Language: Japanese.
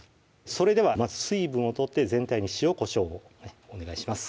それではまず水分を取って全体に塩・こしょうをお願いします